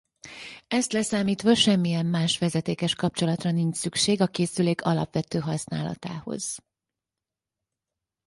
Ezt leszámítva semmilyen más vezetékes kapcsolatra nincs szükség a készülék alapvető használatához.